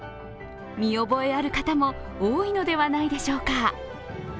見覚えある方も多いのではないでしょうか。